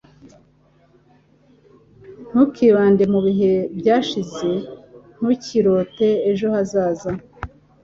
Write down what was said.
Ntukibande mu bihe byashize, ntukirote ejo hazaza,